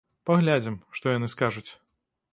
Паглядзім, што яны скажуць.